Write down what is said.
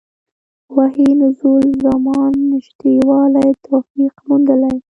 وحي نزول زمان نژدې والی توفیق موندلي.